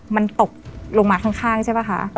มันตกลงมาข้างใช่ป่ะคะ